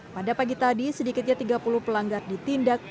pada pagi tadi sedikitnya tiga puluh pelanggar ditindak